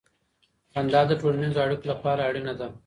خندا د ټولنیزو اړیکو لپاره اړینه ده.